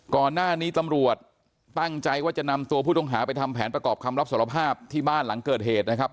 ก่อนหน้านี้ตำรวจตั้งใจว่าจะนำตัวผู้ต้องหาไปทำแผนประกอบคำรับสารภาพที่บ้านหลังเกิดเหตุนะครับ